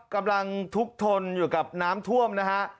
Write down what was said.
กำลังทุกข์ทนอยู่กับน้ำท่วมนะฮะ